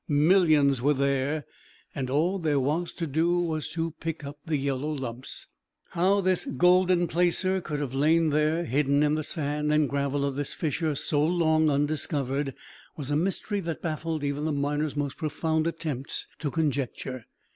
Millions were there and all there was to do was to pick up the yellow lumps. How this golden placer could have lain there, hidden in the sand and gravel of this fissure so long undiscovered, was a mystery that baffled even the miner's most profound attempts to conjecture.